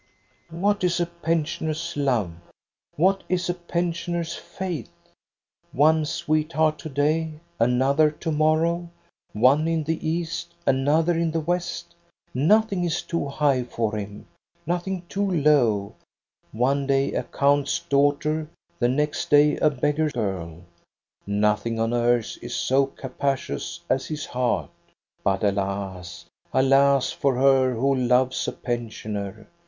" What is a pensioner's love, what is a pensioner's faith? — one sweetheart to day, another to morrow, one in the east, another in the west. Nothing is too high for him, nothing too low; one day a count's daughter, the next day a beggar girl. Nothing on earth is so capacious as his heart. But alas, alas for her who loves a pensioner.